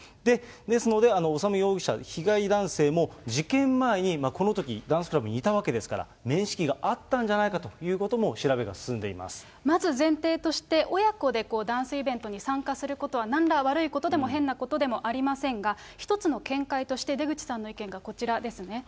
ですので、修容疑者、被害男性も事件前にこのとき、ダンスクラブにいたわけですから、面識があったんじゃないかというまず前提として、親子でダンスイベントに参加することはなんら悪いことでも、変なことでもありませんが、一つの見解として出口さんの意見がこちらですね。